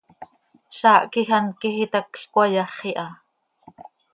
Zaah quij hant quij itacl cöcayaxi ha.